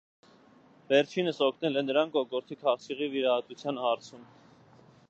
Վերջինս օգնել է նրան կոկորդի քաղցկեղի վիրահատության հարցում։